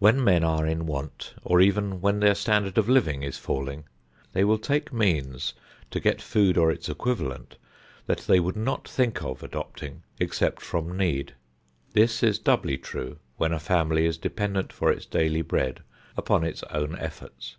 When men are in want, or even when their standard of living is falling, they will take means to get food or its equivalent that they would not think of adopting except from need. This is doubly true when a family is dependent for its daily bread upon its own efforts.